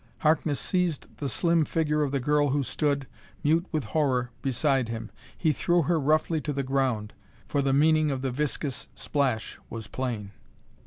Harkness seized the slim figure of the girl who stood, mute with horror, beside him. He threw her roughly to the ground, for the meaning of the viscous splash was plain.